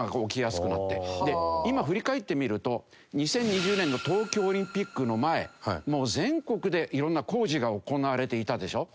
今振り返ってみると２０２０年の東京オリンピックの前もう全国で色んな工事が行われていたでしょ？